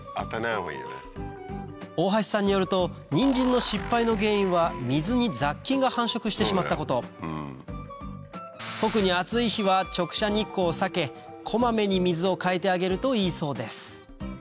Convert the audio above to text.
大橋さんによるとニンジンの失敗の原因は水に雑菌が繁殖してしまったこと特に暑い日は直射日光を避けこまめに水を替えてあげるといいそうです